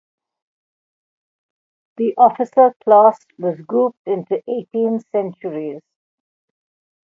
The officer class was grouped into eighteen Centuries.